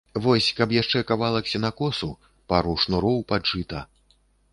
Вось, каб яшчэ кавалак сенакосу, пару шнуроў пад жыта.